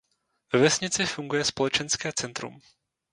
Ve vesnici funguje společenské centrum.